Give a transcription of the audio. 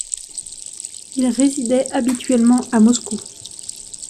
Il résidait habituellement à Moscou.